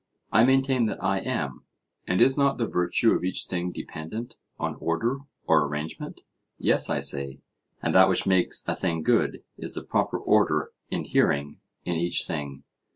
I maintain that I am. And is not the virtue of each thing dependent on order or arrangement? Yes, I say. And that which makes a thing good is the proper order inhering in each thing?